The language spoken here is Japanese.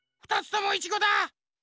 ２つともいちごだ！